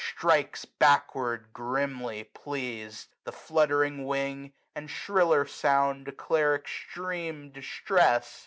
Strikes backward grimly pleased : the fluttering wing. And shriller sound declare extreme distress.